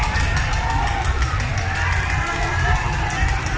อันนี้ก็มันถูกประโยชน์ก่อน